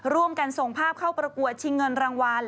ร่วมกันส่งภาพเข้าประกวดชิงเงินรางวัล